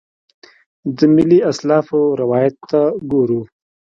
د ملي اسلافو روایت ته ګورو.